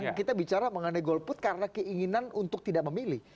jadi kita bicara mengenai gold boot karena keinginan untuk tidak memilih